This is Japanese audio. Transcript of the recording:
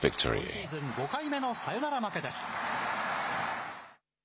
今シーズン、５回目のサヨナラ負けです。